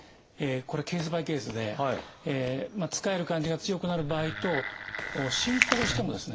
これケースバイケースでつかえる感じが強くなる場合と進行してもですね